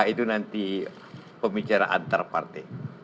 itu nanti pembicara antar partai